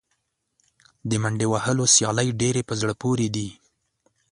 د منډې وهلو سیالۍ ډېرې په زړه پورې دي.